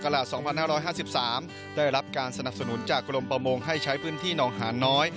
๒๕๕๓ได้รับการสนับสนุนจากกรมประมงให้ใช้พื้นที่หนองหานน้อย